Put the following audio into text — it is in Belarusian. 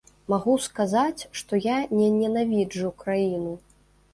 Магу сказаць, што я не ненавіджу краіну.